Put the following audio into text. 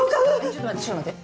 ちょっと待ってちょっと待って。